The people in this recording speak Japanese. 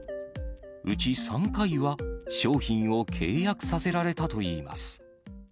うち３回は商品を契約させられたといいます。